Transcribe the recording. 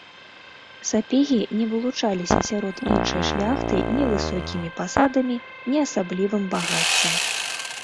Сапегі не вылучаліся сярод іншай шляхты ні высокімі пасадамі, ні асаблівым багаццем.